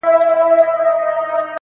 پښتانه لکه مګس ورباندي ګرځي!.